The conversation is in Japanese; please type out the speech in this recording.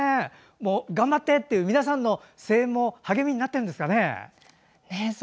頑張って！っていう皆さんの声援も励みになってるんですかね。